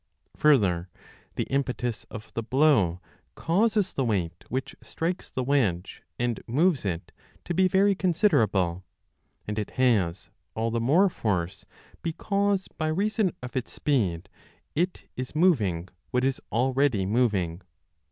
Further, the impetus of the blow causes the weight which strikes the wedge and moves it to be very considerable ; and it has all the more force because by reason of its speed it is 25 moving what is already moving.